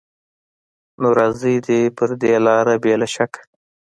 نو راځي دې پر دې لاره بې له شکه